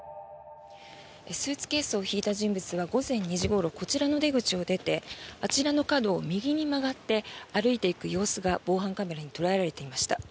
スーツケースを引いた人物は午前２時ごろこちらの出口を出てあちらの角を右に曲がって歩いていく様子が防犯カメラに捉えられていました。